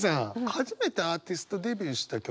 初めてアーティストデビューした曲。